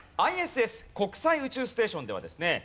ＩＳＳ国際宇宙ステーションではですね